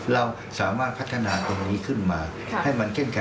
เราสามารถพัฒนาตรงนี้ขึ้นมาให้มันเข้มแข